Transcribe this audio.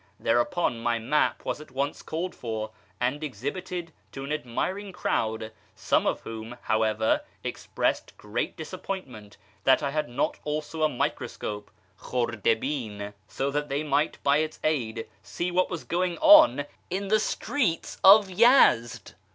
Thereupon rny map was at once called for and exhibited to an admiring crowd, some of whom, however, expressed great disappointment that I had not also a microscope {khmxU Mn), so that they might by its aid see what was going on in the streets of Yezd